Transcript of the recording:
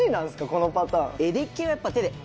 このパターン。